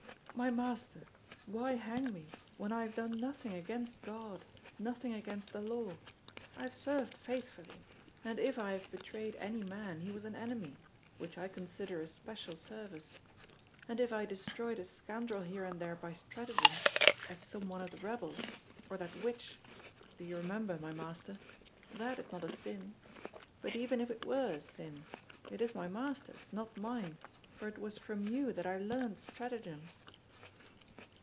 "My master, why hang me, when I have done nothing against God, nothing against the law? I have served faithfully; and if I have betrayed any man, he was an enemy, which I consider a special service. And if I destroyed a scoundrel here and there by stratagem, as some one of the rebels, or that witch, do you remember, my master? that is not a sin; but even if it were a sin, it is my master's, not mine, for it was from you that I learned stratagems."